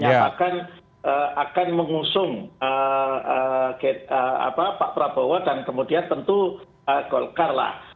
menyatakan akan mengusung pak prabowo dan kemudian tentu golkar lah